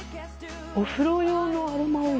お風呂用のアロマオイル。